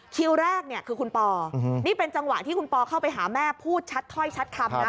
คิวแรกเนี่ยคือคุณปอนี่เป็นจังหวะที่คุณปอเข้าไปหาแม่พูดชัดถ้อยชัดคำนะ